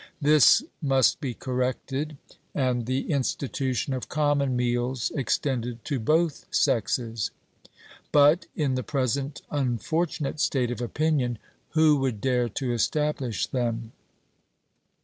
This must be corrected, and the institution of common meals extended to both sexes. But, in the present unfortunate state of opinion, who would dare to establish them?